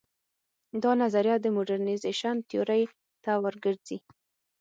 دا نظریه د موډرنیزېشن تیورۍ ته ور ګرځي.